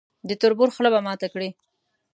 د تربور خوله به ماته کړي.